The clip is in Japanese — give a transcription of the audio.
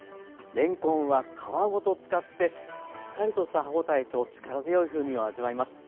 れんこんは皮ごと使ってしっかりとした歯応えと力強い風味を味わいます。